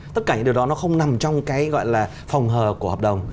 tất cả những điều đó nó không nằm trong cái gọi là phòng hờ của hợp đồng